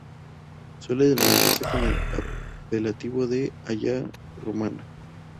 Suele denominarse con el apelativo de "alla Romana".